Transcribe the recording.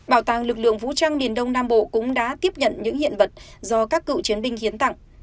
bảo tàng lực lượng vũ trang miền đông nam bộ cũng đã tiếp nhận những hiện vật do các cựu chiến binh hiến tặng